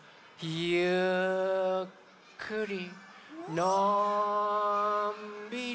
ゆっくりのんびり。